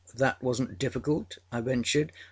â âThat wasnât difficult?â I ventured.